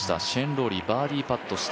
シェーン・ローリー、バーディーパット。